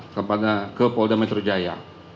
kepada ke polda metro jaya